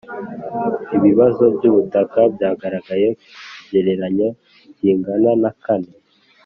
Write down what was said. Ibibazo by ubutaka byagaragaye ku kigereranyo kingana nakane